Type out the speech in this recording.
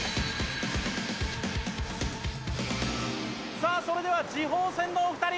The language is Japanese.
さあそれでは次鋒戦のお二人